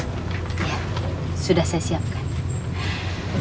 iya sudah saya siapkan